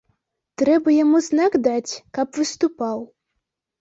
Трэба яму знак даць, каб выступаў.